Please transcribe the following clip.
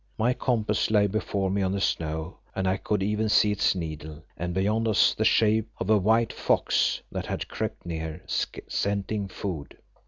My compass lay before me on the snow, and I could even see its needle; and beyond us the shape of a white fox that had crept near, scenting food.